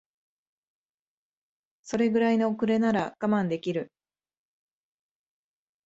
それぐらいの遅れなら我慢できる